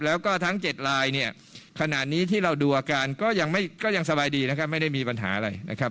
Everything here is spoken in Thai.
แล้วก็ทั้ง๗ลายเนี่ยขณะนี้ที่เราดูอาการก็ยังสบายดีนะครับไม่ได้มีปัญหาอะไรนะครับ